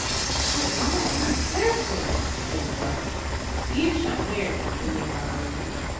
"But why? wherefore?" exclaimed Barret. "You shall hear," continued Auberly.